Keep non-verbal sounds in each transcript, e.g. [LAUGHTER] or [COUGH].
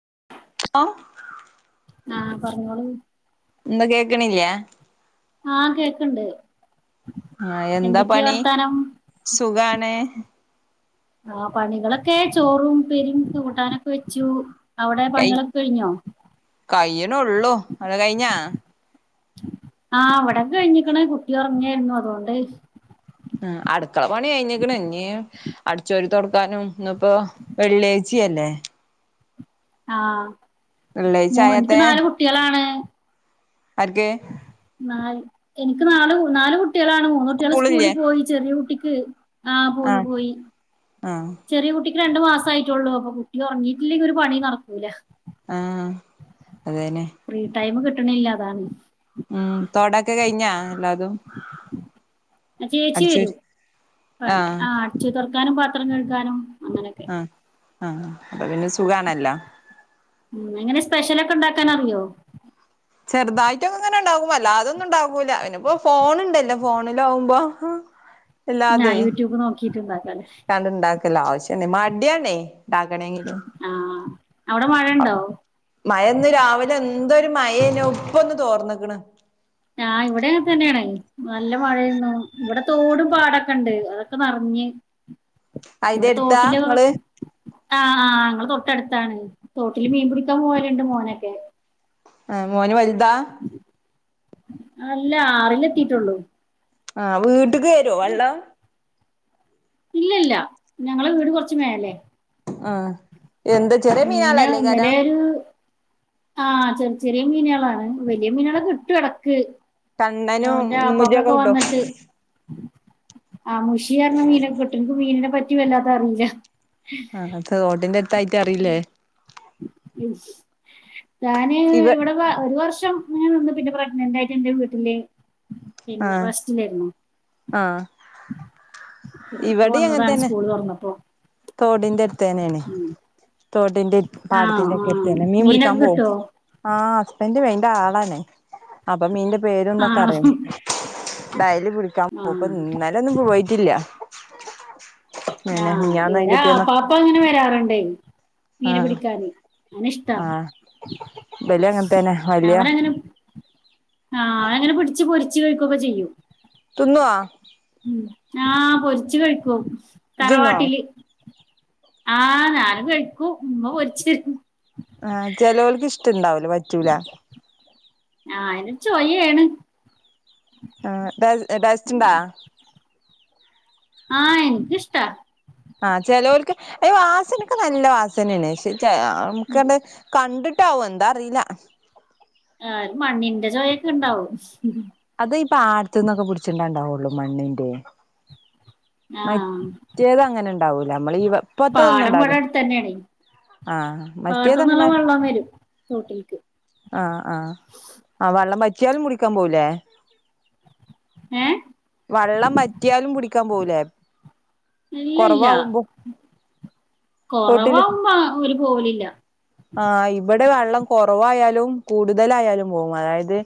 [UNINTELLIGIBLE] ആഹ് പറഞ്ഞോളൂ എന്താ കേക്കണില്ല ആഹ കേക്കണ്ട് ആഹ എന്താ പണി സുഖാണ് ആ പണികളൊക്കെ ചോറും പെരും കൂട്ടാനൊക്കെ വെച്ചു അവിടെ പണികളൊക്കെ കഴിഞ്ഞോ കഴിയാണെ ഉള്ളു അത് കഴിഞ്ഞാ ആഹ അവിടക്കെ കഴിഞ്ഞിിക്കണ കുട്ടി ഉറങ്ങായിരുന്നു അതുകൊണ്ട് ആ അടുക്കള പണി കഴിഞ്ഞക്കണ ഇ അടിച്ചൊരിത്തൊടുക്കാനും ഇന്നപ്പോ വെള്ളിയാേച്ചിയല്ലേ ആഹ വെള്ളിയാഴ്ച ഓൾക്ക് എനിക്ക് നാല് കുട്ടികളാണ് ഓക്കെ നാല് എനിക്ക് നാല് കുട്ടികൾ - കുട്ടികളാണ് മൂന്നൂട്ടികൾ സ്കൂളിൽ സ്കൂളില്ലേ പോയി ചെറിയ കുട്ടിക്ക് ഉം ആഹ ആ പോയി പോയി ആ ചെറിയ കുട്ടി രണ്ടണ്ട് മാസം ആയിട്ടുള്ളൂ അപ്പൊ കുട്ടി ഉറങ്ങിയിട്ടില്ലെങ്കിൽ ഒരു പണി നടക്കൂലേ ആഹ ടൈം കിട്ട കിട്ടണില്ലാതാണ് ഉം തോടൊക്കെ കഴിഞ്ഞാ എല്ലാതും ചേച്ചി അടിച്ച വരും ആഹ കേക്കാനും പാത്രം കേൾക്കാനും അങ്ങനൊക്കെ ആഹ അപ്പൊ പിന്നെ സുഖണല്ല ഉ അങ്ങനെ സ്പെഷ്യലൊക്കെ ഉണ്ടാക്കാൻറിയോ ചെറുതായിട്ടൊക്കെ അങ്ങനെ ഉണ്ടാകുമോ അല്ല അതൊന്നും ഉണ്ടാകൂല അവനിപ്പോ ഫോണുണ്ടല്ലോ ഫോണില ആകുമ്പോ ഞാൻ യൂട്യൂബ് നോക്ക ഇണ്ടാക്കി അത് ഉണ്ടാക്കല ആവിശ്യത്തിന് പിന്നെ മാടിയാക്ക ആഹ് അവിടെ മഴണ്ടോ മഴ ഇന്ന രാവിലെ എന്തൊ ഒരു മഴയാ പ്പൊന്ന് തോർന്നക്കണ് ഞ ഇവിടെ അനെ തന്നെയാണ് നല്ല മഴയന്നു ഇവിടെ തോടും പാടൊക്കെ ഇണ്ട് അതൊക്കെ നിറഞ്ഞ് അയിന്റെ ഇവിടെ എടുത്താ തോട്ടില് ഇങ്ങള് ആ ആ ങ്ങ തോട്ട തട്ടടുത്താണ് തോട്ടില് മീൻ പിടിക്കാൻ പോലുണ്ട് മോനൊക്കെ ആഹ് മോന് വല എന്ത അല്ല ആറിലെത്തിട്ടുള്ളൂ ആ വീട് ട്ട്ക്ക് വരോ വള്ളം ഇല്ല ഇല്ല ഞങ്ങളെ വീട് കൊർച്ച് മേലേ ആ എന്താ ചെറിയ മീനാളല്ലേകാരം ആ ചെറി ചെറിയ മീനാളാണ് വലിയ മീനാളെ കിട്ടും എടക്ക് കണ്ണനും മുജ്ജോക്കെ കിട്ടോ ആ മുഷിയാർഞ്ഞ മീനൊക്കെ കിട്ടും ൻക്ക് മീനിനെ പറ്റി റ്റി വല്ലാത അറീല്ല ആ ഹാ ത് റോഡിന്റെ അട്ത്തായി റ്ററീല്ലേ അറിയില്ല ഞാന് ഇവ ഇവിടെപ്പ ഒരു വർ റ്റം ഇങ്ങനെ നിന്ന് പിന്നെ പ്രെഗ്നന്റ് ആയിട്ട് എന്റെ വീട്ടില് പിന്നെ ഫസ്റ്റിലേര്ന്നോ? ആഹ് പിന്നെ ഇപ്പോ വന്നതാണ് തന്നെ സ്കൂൾ തുറന്നപ്പോ. തോടിന്റെ അടുത്തേനേണെ. ഉം. തോട്ടിന്റിം ആ പാടത്തിന്റെ ഒക്കെ ആ എര്ത്തന്നെ. മീൻ പിടിക്കാ മീനൊക്കെ പോവും കിട്ടുവോ ആ ഹസ്ബൻഡും അയ് ൻ്റാളാണ്. അപ്പം മീൻ്റെ ആ പേരുംന്നൊക്കെ അറിയേനി. ഡയലി കുളിക്കാൻ ആ പോവും ഇപ്പൊ ഇന്നല്യൊന്നും പോയിട്ടില്ല. പിന്നെ ഞാഹ് മിനിഞ്ഞാന്ന് [UNINTELLIGIBLE] അയിന്റെ പിറ്റേന്ന് രാപാപ്പ അങ്ങനെ വരാറ്ണ്ടേ. മീനെ പിടിക്കാന് അതിന് ഇഷ്ട ആ വെല അങ്ങന തന്നെ വലിയ അവനങ്ങനെ ആ അത് അങ്ങനെ പിടിച്ച് പൊരിച്ച് കഴിക്കുവൊക്കെ ചെയ്യും തിന്നുവോ ആ പൊരിച്ചു കഴിക്കും ഇജ്ജ് തിന്നോ തറവാട്ടില് ആ ഞാനും കഴിക്കും ഉമ്മ പൊരിച്ച് തരും ആ ചെലവൾക്ക് ഇഷ്ടവുണ്ടാവൂല്ലാ പറ്റൂല ആ അയിന് ചൊയയാണ് ആ ഡ ടേസ്റ്റുണ്ടോ ആ എനിക്ക് ഇഷ്ടവാ ആ ചിലവർക്ക് വാസനയൊക്കെ നല്ല വാസനയാണ് പക്ഷേ നമുക്കാണെ കണ്ടി ട്ടാവോ എന്താ അറിയില്ല ആ ഒരു മണ്ണിന്റെ ചൊവയൊക്കെ ഉണ്ടാവും അത് ഈ പാടത്തൊന്നൊക്കെ പിടിച്ചിട്ടുണ്ടേ ഉണ്ടാവുള്ളു മണ്ണിന്റെ ആഹ് മറ്റേത് അങ്ങനെയുണ്ട് ഉണ്ടാവൂലെ നമ്മള് ഈ ഇപ്പത്തതൊന്നും പാടം ഇബടെ ഉണ്ടാവില്ല അടുത്തന്നെയാണേ ആഹ് പാടത്ത്‌ ന്ന്ള്ള മറ്റേതങ്ങനെ വെള്ളം വരും തോട്ടിലെക്ക് [UNINTELLIGIBLE] മുടിക്കാൻ പോവൂല്ലേ ഏഹ് വള്ളം പറ്റിയാലും പിടിക്കാൻ പോവുലേ ഇല്ലല്ല കൊറവാകുമ്പോ തോട്ടില് കൊറവാവുമ്പോ ഓല് പോവലില്ല ആ ഇവ ടെ വള്ളം കൊറവായാലും കൂടുതലായാലും പോകും അതായത്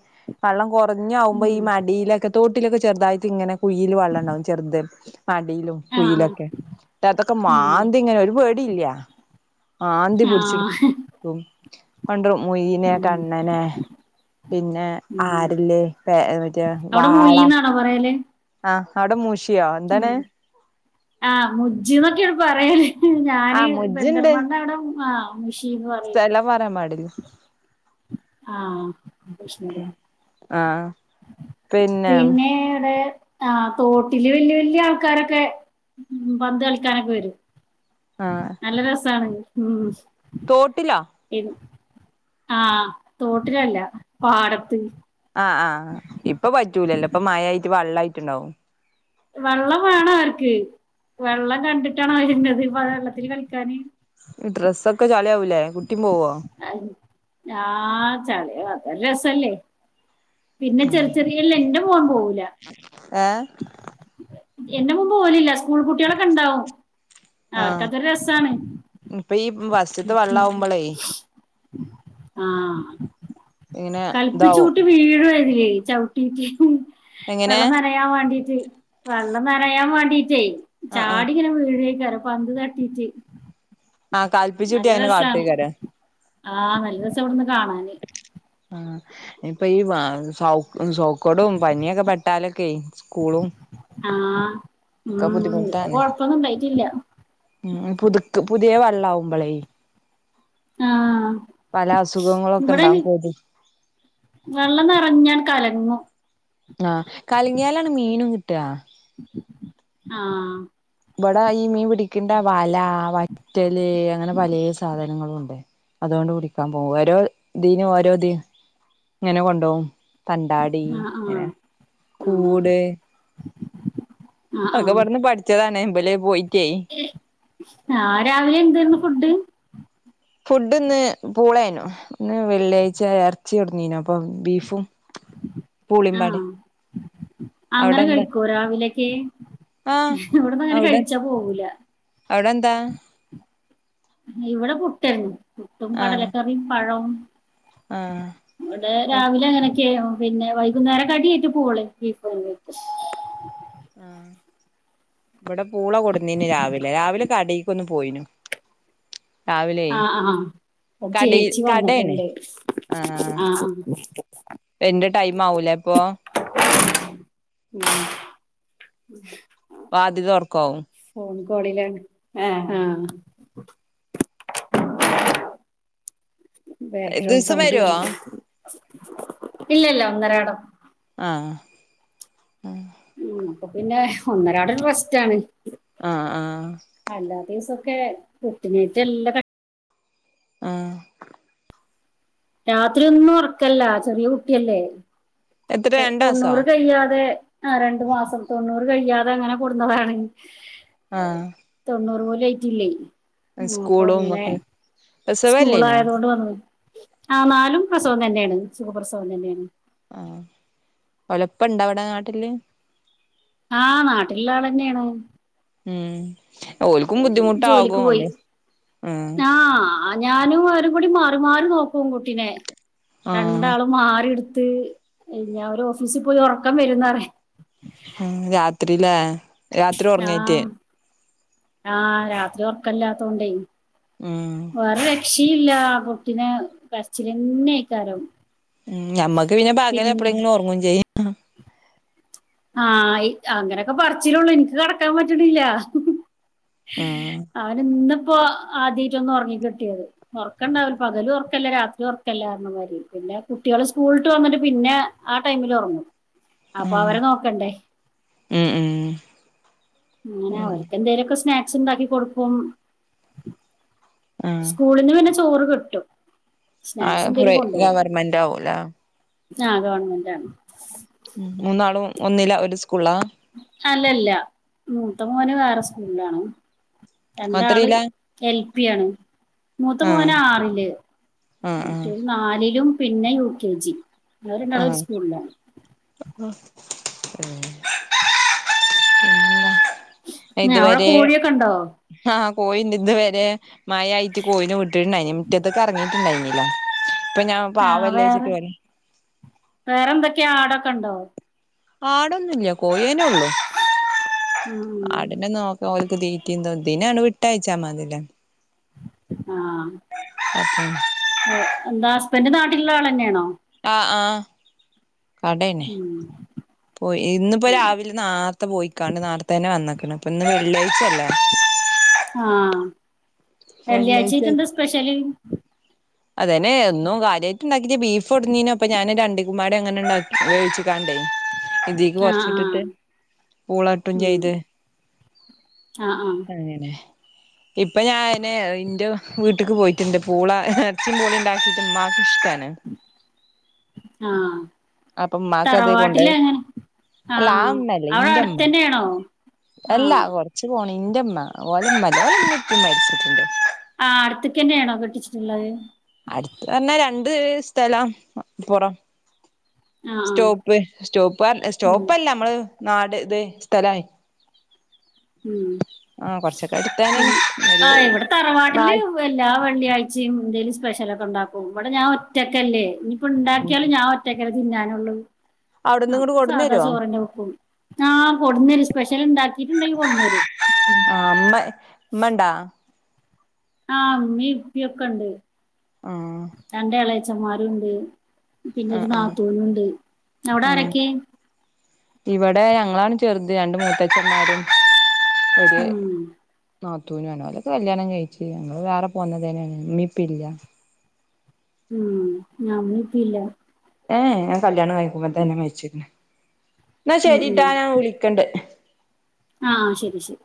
വെള്ള കൊ ഞ്ഞോമ്പ ഈ ഉം മടിലൊക്കെ തോട്ടിലൊക്കെ ചെറുതായിട്ടിങ്ങനെ കുഴില് വള്ളം ണ്ടാവും ചെറ്ത് മടിലും ആഹ് കുയിലൊക്കെ ആഹ് ന്താത്തൊക്കെ ഉം മാന്തി ഇങ്ങനെ ഒരു പേടി ഇല്ല ആന്തി പിടിച്ചെടു ആഹ് ക്കും കൊണ്ടോവും മുയിനെ, ഉം കണ്ണനെ പിന്നെ ഉം ആരില് മറ്റേ അവിടെ വാള മുഴീന്നാണോ ആഹ് ആടെ മുശി മ്മ് ആഹ് മുജ്ജിന്നൊക്കെയാണ് പറയല് ഞാന് ആഹ് മുജ്ജിണ്ട് പെരിന്തൽമണ്ണ അവിടെ ആഹ് മുഷീന്ന് പറയും സ്ഥലം പറയാ പാടില്ലേ ആഹ് [UNINTELLIGIBLE] ആഹ് പിന്നെ ഇവിടെ ആഹ് തോട്ടില് വല്യ വല്യ ആൾക്കാരൊക്കെ പന്ത് കളിക്കാനൊക്കെ വരും നല്ല രസമാണ്. ഉം. തോട്ടിലാ. ആഹ് തോട്ടിലല്ല പാടത്ത്. ആഹ് ആഹ് ഇപ്പ പറ്റൂലല്ലോ ഇപ്പ മയയായിട്ട് വെള്ളായി ട്ടുണ്ടാവും. വെള്ളം വേണം അവർക്ക് വെള്ളം കണ്ടിട്ടാണ് അവരണ്ടത്പ്പ മഴവെള്ളത്തി കളിക്കാന് ഡ്രസ് ഒക്കെ ചളിയാ ല്ലേ കുട്ടീം പോവോ? ആഹ് ചളിയ അതൊരു രസല്ലേ. പിന്നെ ചെറിയ ചെറിയ [UNINTELLIGIBLE] [UNINTELLIGIBLE] ഏഹ്. എന്റെ മോൻ പോകലില്ല സ്കൂൾ കുട്ടികളൊക്കെ ഉണ്ടാവും. ആഹ് അവർക്കതൊരു രസാണ്. റ്റത്ത് വെള്ളാവുമ്പളേ ആഹ് ഇങ്ങനെ ഇതാവും കല്പ്പിച്ചൂട്ടി വീഴും അതിലേ ചവിട്ടീട്ട് എങ്ങനെ വെള്ളം നനയാൻ വേണ്ടീട്ട് വെള്ളം നനയാൻ വേണ്ടി ഈറ്റേ ആഹ് ആഹ് ചാടിങ്ങനെ വീഴേ ജറ പന്ത് തട്ടീട്ട് ആ കല്പ്പിചൂട്ടി അനെ കാട്ടെയ്ക്കരാ ആ നല്ല രസ ഇവിട്ന്ന് കാണാന് ആ ഇപ്പൊ ഈ വ സൗ സൗ കൊടും പനിയൊക്കെ പെട്ടാലൊക്കെ സ്കൂളും ആഹ് ഒക്കെ ഉം ഇവിടെ ബുദ്ധിമുട്ടാണ് കൊഴപ്പൊന്നും ഉണ്ടായിട്ടില്ല ഉം പുതുക് പുതിയ വ ള്ളാഉമ്പളെ ആഹ് അസുഖങ്ങളൊക്കെ ഉണ്ടാവും ഇവിടെനി കൊതു വെള്ളം നിറഞ്ഞാൻ കലങ്ങു ട്ടാ ആഹ് ഇവടെ ഈ മീൻ പിടിക്ണ്ട വല വറ്റല് അങ്ങനെ പലേ സാധനങ്ങളു ഉണ്ട് അതോണ്ട് പിടിക്കാൻ പോവു ഓരോ ഇതീനു ഓരോത് ങ്ങനെ കൊണ്ടോഉം തണ്ടാടി ആഹ് ആഹ് ഇങ്ങനെ ആഹ് കൂട് ആഹ് ഒക്കെ ആഹ് ഇബട്ന്ന് പഠിച്ചതാണ്. ബല് പോയി ആഹ് രാവിലെ എന്തേര്ന്നു ഫുഡ്? ഫുഡ് ഇന്ന് പൂളായിനു. ഇന്ന് വെള്ളിയാഴ് എർച്ചി കൊട്ന്നീനു അപ്പം ബീഫും പൂളിമ്പാടിം ഉ [UNINTELLIGIBLE] അങ്ങനെ കഴിക്കോ രാവിലേക്ക്െ ആഹ് ഇവിടന്ന് അങ്ങനെ അവിടെ കഴിച്ചാ പോവൂല അവിടെ എന്താ ഇവിടെ പുട്ട് പുട്ടും ആഹ് കടലക്കറിയും പഴവും ആഹ് ഇവിടെ രാവിലെ അങ്ങനെ പിന്നെ വൈകുന്നേര കടിയായിട്ട് പോവൂല് ആ ഇവിടെ പൂള കൊടുന്നീു രാവിലെ രാവിലെ കടക്ക്ൊന്ന് പോയിനു രാവിലെ ആഹ് ആഹ് കട ചേച്ചി കടയണ വന്നിട്ടുണ്ട് ആഹ ആഹ് എന്റെ ടൈം ആവൂലേ അപ്പൊ ഉ [UNINTELLIGIBLE] ബാദ്യത ഉറക്കവും കോളിലാണ് ആഹ ആഹ ബാക്ക്ഗ്രൗണ്ട് ദിവസം സൗണ്ട് വരുവോ വറല്ല ഇല്ല ഇല്ല ഒന്നിരാടം ആഹ ഉ ഉം പിന്നെ ഒന്നരാട റെസ്റ്റ് ആണ് ആഹ ആഹ ദിവസൊക്കെ കുട്ടിനേറ്റ് എല്ലാം ആഏ രാത്രി ഒന്നും ഉറക്കല്ല ചെറിയ കുട്ടിയല്ലേ എത്ര രണ്ടാസോ തൊണ്ണൂറ് കഴിയാതെ ആ രണ്ടു മാസം തൊണ്ണൂറ് കഴിയാതെ അങ്ങനെ കൊണ്ടുവ [UNINTELLIGIBLE] തൊണ്ണൂറ് പോലു [UNINTELLIGIBLE] സ്കൂളുമൊക്കെ സ്കൂൾ ആയതുകൊണ്ട് വന്നു ആ നാലും പ്രസവം തന്നെയാണ് സുഖപ്രസവം തന്നെയാണ് ആ ഒലപ്പൊ ഇണ്ട അവിടെ നാട്ടില് ആ നാട്ടിലുള്ള ആൾ തന്നെയാണ് ഉം ഒരുക്കും ജോലിക്ക് ബുദ്ധിമുട്ടാകും പോയി അല്ലേ ഉം ആ ഞാനും ഓരുംകൂടി മാറിമാറി നോക്കും കുട്ടിനെ ആഹ് രണ്ടാളും മാറിയു ഓഫീസിൽ പോയി ഉറക്കം വരുംന്ന് അറി ഉം രാത്രില്ലേ രാത്രി ഉറങ്ങിറ്റേ ആ രാത്രി ഒറക്കല്ലാത്തോണ്ടേ. ഉം ഷീല്ലാ കുട്ടിനെ കരച്ചിലന്നേക്കാരം. ഉം ഞമ്മക്ക് പിന്നെ പകലെപ്പളെങ്കിലും ഒറങ്ങും ചെയ്യ ആഹ് ആ ഈ അങ്ങനൊക്കെ പറച്ചിലൊള്ളു ഇൻക്ക് കടക്കാൻ പറ്റ്ണില്ലാ. ഉം അവന് ന്നും പ്പോ ആദ്യായ്ട്ട് ഒന്നൊർങ്ങിക്കിട്ടിയത്. ഒറക്കണ്ടാവ്‌ല, പകലും ഒറക്കല്ല രാത്രിം ഒറക്കല്ലാർണ മാതിരി. പിന്നെ കുട്ടികള് സ്കൂൾവിട്ട് വന്നിട്ട് പിന്നെ ആ ടൈമില് ഒറങ്ങും അപ്പൊ ആഹ് അവരെ നോ ക്കണ്ടെ.. ഉം ഉം അങ്ങനെ അവർക്കെന്തേലൊക്കെ സ്നാക്ക്സ് ഉണ്ടാക്കി കൊടുക്കും. ആഹ് സ്കൂളിന് പിന്നെ ചോറ് കിട്ടും. ആ സ്നാക്സ് കുറേ എന്തേലും കൊണ്ടോവും ഗവർമെന്റ് ആവൂലാ- ആ ഗവണ്മെന്റ് ആണ്- ഒന്നിലവര് സ് അല്ലല്ല മൂത്തമോന് വേറെ സ്കൂ ളിലാണ്- രണ്ടാള് എത്രയിലാ എൽ പി ആണ് മൂത്തമോൻ ആഹ് ആറില് ആഹ് ആഹ് മറ്റോര് നാലിലും- പിന്നെ യു കെ ജി- അവര് രണ്ടാളും ഒര് സ്കൂള്ലാ- പിന്നെ - അവടെ കോഴിയൊക്കെ ണ്ടോ? ആഹ് കോയിണ്ട് ഇത് വെരെ- മായയിറ്റ് കോയിനെ വിട്ട്ട്ട്ണ്ടായി മിറ്റത്ത്ക്കറങി ണ്ടായ്നില- ഇപ്പ ഞാൻ പാവല്ലേച്ചിട്ട് വലി വേറെന്തൊക്കെയാ ആടൊക്കെണ്ടോ? ആടൊന്നുല്ല കോയ് നുള്ളൂ ഉം ആട്നെ നോക്ക തീറ്റീം തും തിനങ്ങട്ട് വിട്ടയച്ചാ മതീലൊ ആ അപ്പം എന്താ ഹസ്ബന്റ് നാട്ടില്ള്ള ആളെന്നേണോ ആ ആ കടേന്നെ ഉം പോയി ഇന്ന് പ്പോ രാവിലെ നാരത്തെ പോയിക്കാണ്ട് നാരത്തെ തന്നെ വന്ന പിന്നെപ്പന്ന് വെള്ളിയാഴ്ചല്ലേ ആ വെള്ളിയാഴ്ചായിട്ട് വെള്ളിയാഴ്ചയിറ്റ് എന്താ സ്പെഷ്യല് അതേനെ ഒന്നും കാര്യായ്റ്റ് ണ്ടാക്കിറ്റില്ല ബീഫ് കൊട്നീന്നു അപ്പ ഞാന് രണ്ട അങ്ങനെണ്ടാക്കി വേവിച്ച് ങ്ങാണ്ടേ ഇതീക്ക് ആ ആ ക്കൊറച്ച്ട്ട്ട്ട് പൂള ഇട്ടും ഉം ചെയ്ത് ആ ആ അങ്ങനെ ഇപ്പ ഞാന് ഇന്റെ വീട്ട്ക്ക് പോയിറ്റ്ണ്ട് പൂള എറചി പോളീം ഉണ്ടാക്കീട്ട്ണ്ട് മാക്ക് ഇഷ്ട ആഹ് ആഹ് അപ്പ മ്മാക്കത് കൊണ്ട് അല്ല ആ ഇമ്മല്ല അവിടെ ഇന്റെമ്മ അടുത്തന്നെയാണോ അല്ല ആഹ് കൊറച്ച് വുട്ടെന്നേ ഇന്റെമ്മ ഓലമ്മ ഓലമീം ഇപ്പീമ് മരിച്ച്ട്ട്ണ്ട് ആഹ് അട്ത്ത്ക്കെന്നേണോ കെട്ടിച്ച്ട്ട്ള്ളത് അട്ത്ത് പറഞ്ഞാ രണ്ട് സ്ഥലം അപ്പുറം ആഹ് ആഹ് ഉം സ്റ്റോപ്പല്ല മ്മള് നാട് തെ സ്ഥലായി മ് ആ കൊറച്ചൊക്കെ അടുത്തന്നെയാണ് പിന്നെ ഒരു ആഹ് ഇവടെ തറവാട്ടില് നാല് എല്ലാ വെള്ളിയാഴ്ചയും സ്പെഷ്യലൊക്ക ഉൺണ്ടാക്കും ഇവിടെ ഞാൻ ഒറ്റക്കല്ലേ ഉം ഉണ്ടാക്ക്യാലും ഞാൻ ഒറ്റക്കല്ലേ തിന്നാനുള്ളത് അവിടുന്ന് ഇങ്ങട് അപ്പ കൊടന്നരോ സാദാചോറെന്നെ വെക്കോള്ളു ആഹ് കൊട്ന്ന് തരും സ്പെഷ്യല്ണ്ടാക്കീറ്റ്ച്ച് [UNINTELLIGIBLE] ആഹ് ഇമ്മ ഇമ്മണ്ടാ ആഹ മീപ്പിയൊക്കെ ഉണ്ട് ആ രണ്ട് ആളെ അച്ഛന്മ്മാരും ഉണ്ട് ആ പിന്നെരു ആ നാത്തൂനുംുണ്ട് എവിട ആ ആരൊക്കെ ഇവിടെ ഞങ്ങളാണ് ചെറുത് രണ്ട് മൂത്തച്ഛന്മാരും ഉം നത്തൂനണ അല്ലക്കെ കല്യാണം കഴിിച്ചു ഞങ്ങള് വേറെ പോന്നത്േന്നെയാണ്മ്മീപ്പ ഇല്ല ഉം ഞമ്മപ്പല്ല ഏ ഞാൻ കല്യാണം കഴിക്കുമ്പോത്തന്നെ മച്ചിന്ന് എന്നാ ശരിട്ടാ ഞാൻ വിളിക്കണ്ടണ്ട് ആഹ ശരി ശരി